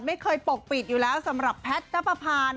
ไม่เคยปกปิดอยู่แล้วสำหรับแพทย์กระปภา